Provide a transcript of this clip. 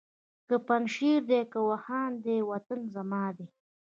که پنجشېر دی که واخان دی وطن زما دی